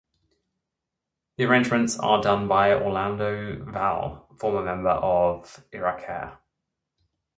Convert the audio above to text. The arrangements are done by Orlando Valle, former member of Irakere.